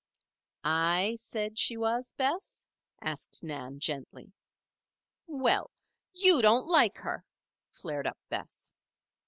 "I said she was, Bess?" asked Nan, gently. "Well! you don't like her," flared up Bess.